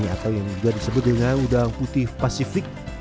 atau yang juga disebut dengan udang putih pasifik